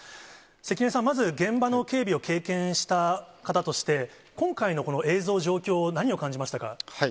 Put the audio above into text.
関根さん、まず、現場の警備を経験した方として、今回のこの映像、状況、何を感じましたか？